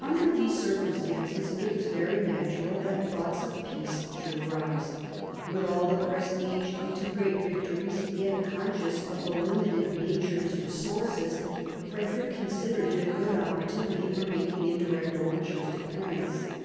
Under these circumstances, it was very natural that thoughts of peace should arise. With all the prestige of two great victories, yet conscious of the limited nature of his resources, Frederick considered it a good oppor tunity for making indirect overtures to France.